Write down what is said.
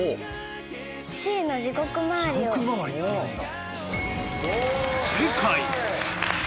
地獄回りっていうんだ。